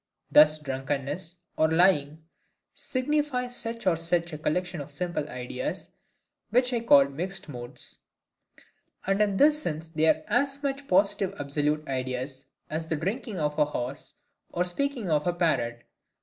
Thus drunkenness, or lying, signify such or such a collection of simple ideas, which I call mixed modes: and in this sense they are as much POSITIVE ABSOLUTE ideas, as the drinking of a horse, or speaking of a parrot.